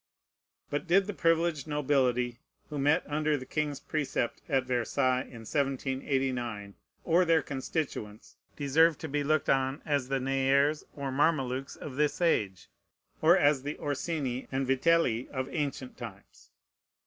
But did the privileged nobility who met under the king's precept at Versailles in 1789, or their constituents, deserve to be looked on as the Nayres or Mamelukes of this age, or as the Orsini and Vitelli of ancient times?